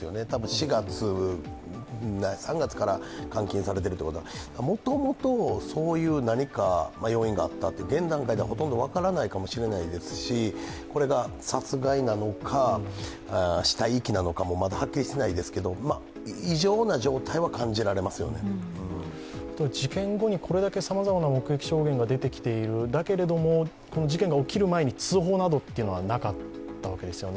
４月３月から監禁されていることはもともと、そういう何か要因があった、現段階ではほとんど分からないかもしれないですし、これが殺害なのか、死体遺棄なのかも、まだはっきりしてないですけど、異常な状態は事件後にこれだけさまざまな目撃証言が出てきている、だけれども、事件が起きる前に通報などはなかったわけですよね。